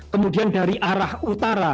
kemudian dari arah utara